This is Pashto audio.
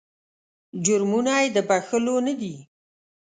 جرمونه یې د بخښلو نه دي.